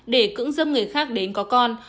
để cững dâm người khác đến có con